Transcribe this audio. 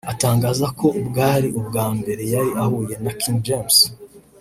atangaza ko bwari ubwa mbere yari ahuye na King James